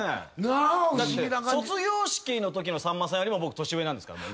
だって卒業式のときのさんまさんよりも僕年上なんですからもう今。